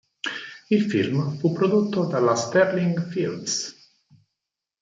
Il film fu prodotto dalla Sterling Films.